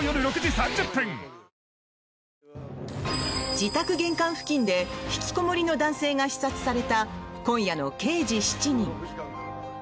自宅玄関付近でひきこもりの男性が刺殺された今夜の「刑事７人」。